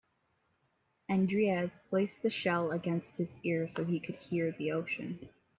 Andreas placed the shell against his ear so he could hear the ocean.